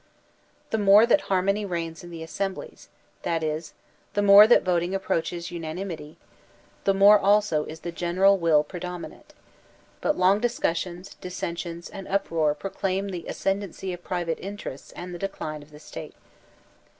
The more that harmony reigns in the as semblies, that is, the more the voting approaches tman imity, the more also is the general will predominant; but long discussions, dissensions, and uproar proclaim the as cendency of private interests and the decline of tiie State.